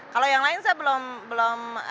kalau yang lain saya belum